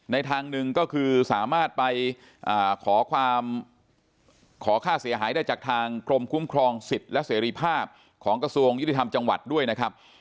ทางหนึ่งก็คือสามารถไปขอค่าเสียหายได้จากทางกรมคุ้มครองสิทธิ์และเสรีภาพของกระทรวงยุติธรรมจังหวัดด้วยนะครับ